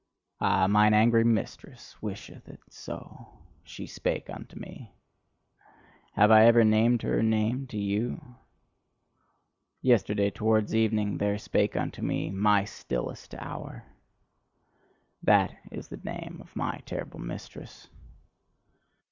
Ah, mine angry mistress wisheth it so; she spake unto me. Have I ever named her name to you? Yesterday towards evening there spake unto me MY STILLEST HOUR: that is the name of my terrible mistress.